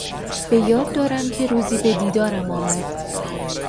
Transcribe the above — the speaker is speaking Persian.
به یاد دارم که روزی به دیدارم آمد.